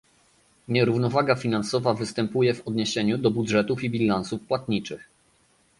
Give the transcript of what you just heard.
Nierównowaga finansowa występuje w odniesieniu do budżetów i bilansów płatniczych